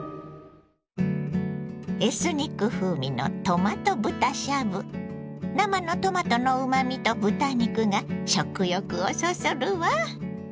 エスニック風味の生のトマトのうまみと豚肉が食欲をそそるわ。